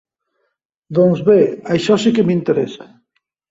Doncs bé, això sí que m'interessa.